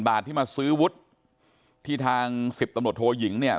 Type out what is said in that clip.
บาทที่มาซื้อวุฒิที่ทาง๑๐ตำรวจโทยิงเนี่ย